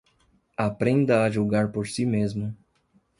Aprenda a julgar por si mesmo